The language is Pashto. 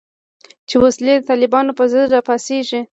چې ولس د طالبانو په ضد راپاڅیږي